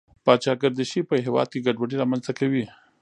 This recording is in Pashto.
پاچا ګردشي په هېواد کې ګډوډي رامنځته کوي.